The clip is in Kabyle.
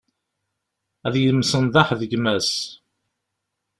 Ad yemsenḍaḥ d gma-s.